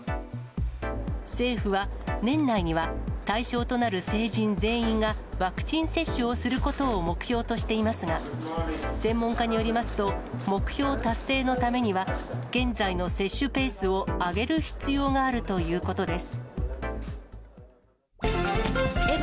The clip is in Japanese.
政府は年内には、対象となる成人全員がワクチン接種をすることを目標としていますが、専門家によりますと、目標達成のためには、現在の接種ペースを上げる必要があるということです。